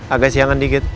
agak siangan dikit